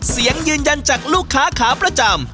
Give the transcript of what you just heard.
ยืนยันจากลูกค้าขาประจำ